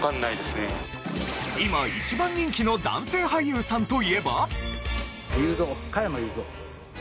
今一番人気の男性俳優さんといえば？